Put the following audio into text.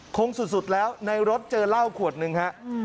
สุดแล้วในรถเจอเหล้าขวดหนึ่งฮะ